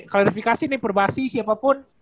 klarifikasi nih perbahasi siapapun